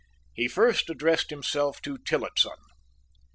He first addressed himself to Tillotson.